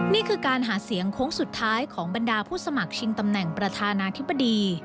นี่คือการหาเสียงโค้งสุดท้ายของบรรดาผู้สมัครชิงตำแหน่งประธานาธิบดี